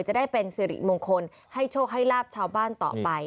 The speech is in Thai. จะได้เป็นสิริมงคลให้โชคให้ลาบชาวบ้านต่อไป